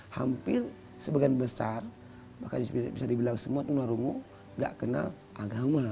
hampir sebagian besar bahkan bisa dibilang semua tunarungu gak kenal agama